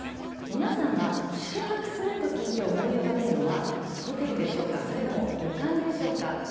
皆さんは、宿泊すると聞いて思い浮かべるのは、ホテルでしょうか、それとも旅館でしょうか。